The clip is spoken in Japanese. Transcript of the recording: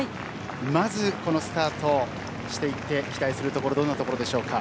まず、このスタートしていって期待するところどんなところでしょう？